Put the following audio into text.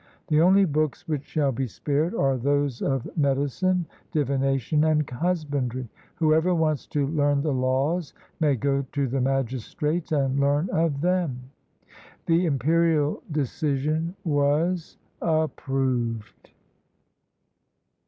The only Books which shall be spared are those of medi cine, divination, and husbandry. Whoever wants to learn the laws may go to the magistrates and learn of them." The imperial decision was — "Approved."